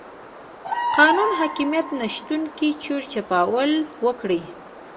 قانون حاکميت نشتون کې چور چپاول وکړي.